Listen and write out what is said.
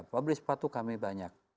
pabrik sepatu kami banyak